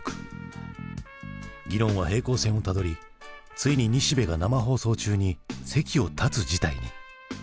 議論は平行線をたどりついに西部が生放送中に席を立つ事態に。